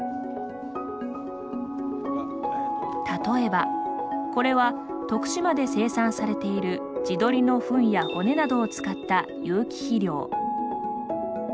例えば、これは徳島で生産されている地鶏のふんや骨などを使った有機肥料。